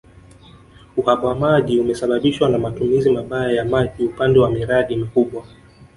Uhaba wa maji umesababishwa na matumizi mabaya ya maji upande wa miradi mikubwa